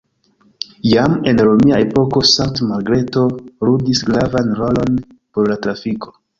Jam en romia epoko Sankt-Margreto ludis gravan rolon por la trafiko.